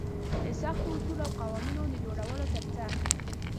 د سختو اصولو او قوانينونو د جوړولو تر څنګ.